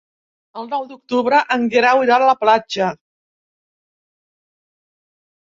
El nou d'octubre en Guerau irà a la platja.